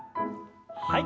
はい。